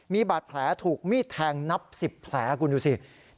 มีบาดแผลถูกมีดแทงนับ๑๐แผลคุณดูสิ